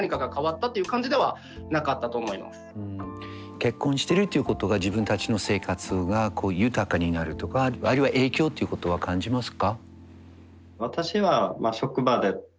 結婚してるっていうことが自分たちの生活が豊かになるとかあるいは影響っていうことは感じますか？